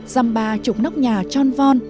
dăm ba chục nóc nhà tròn von